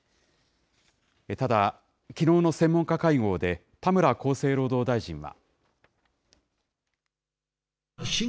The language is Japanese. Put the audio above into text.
ただ、きのうの専門家会合で、田村厚生労働大臣は。